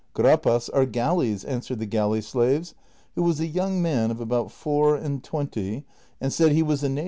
" Gurapas are galleys," ^ answered the galley slave, Avho was a young man of about four and twenty, and said he was a native of Piedrahita.